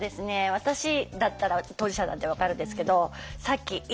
私だったら当事者なんで分かるんですけど「さっき言ったでしょ。